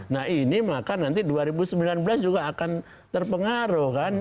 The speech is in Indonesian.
nah ini maka nanti dua ribu sembilan belas juga akan terpengaruh kan